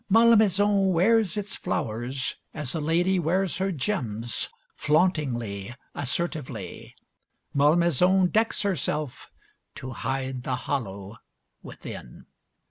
Malmaison wears its flowers as a lady wears her gems, flauntingly, assertively. Malmaison decks herself to hide the hollow within.